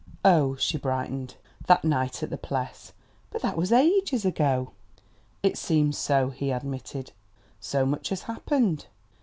"Oh h!" She brightened. "That night, at the Pless? But that was ages ago!" "It seems so," he admitted. "So much has happened!"